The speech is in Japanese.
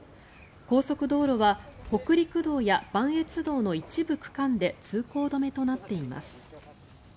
高速道路は北陸道や磐越道の一部区間で通行止めとなっています。